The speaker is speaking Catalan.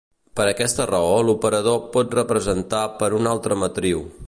Per aquesta raó l'operador pot representar per una matriu.